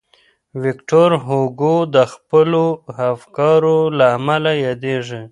ویکټور هوګو د خپلو افکارو له امله یادېږي.